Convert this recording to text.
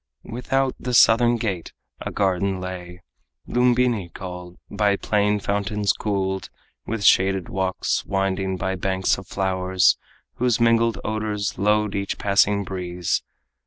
Without the southern gate a garden lay, Lumbini called, by playing fountains cooled, With shaded walks winding by banks of flowers, Whose mingled odors load each passing breeze.